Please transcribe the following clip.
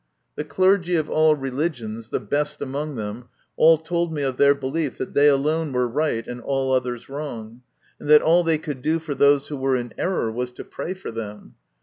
The clergy of all religions, the best among them, all told me of their belief that they alone were right and all others wrong, and that all they could do for those who were in error was to pray for them.